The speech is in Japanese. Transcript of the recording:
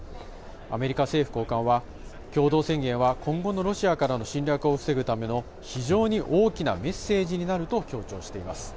アメリカ政府高官は、共同宣言は今後のロシアからの侵略を防ぐための非常に大きなメッセージになると強調しています。